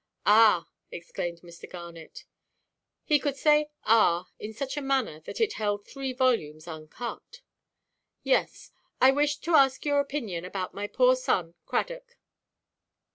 "Ah!" exclaimed Mr. Garnet: he could say "ah!" in such a manner that it held three volumes uncut. "Yes. I wish to ask your opinion about my poor son, Cradock."